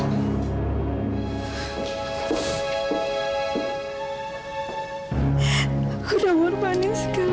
aku sudah mermani sekali